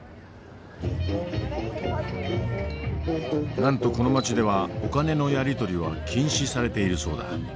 なんとこの街ではお金のやりとりは禁止されているそうだ。